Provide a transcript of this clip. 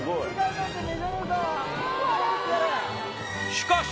しかし